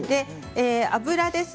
油です。